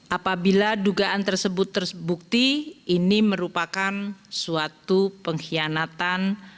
apabila dugaan tersebut terbukti ini merupakan suatu pengkhianatan